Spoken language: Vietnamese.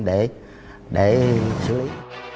để xử lý